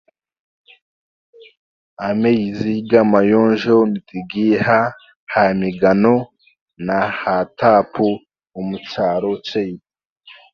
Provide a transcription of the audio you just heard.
Amaizi g'amayonjo nitugaiha aha migano naha taapu omu kyaro kyaitu